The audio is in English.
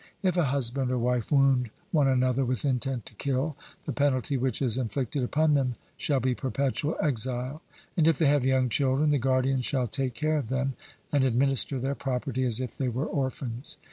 If a husband or wife wound one another with intent to kill, the penalty which is inflicted upon them shall be perpetual exile; and if they have young children, the guardians shall take care of them and administer their property as if they were orphans.